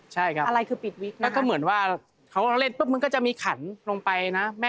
ใช่ครับแล้วก็เหมือนว่าเขาเล่นปุ๊บมันก็จะมีขันลงไปนะ